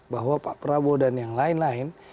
bahwa pak prabowo dan yang lain lain